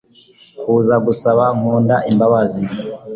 kuza gusaba Nkunda imbabazi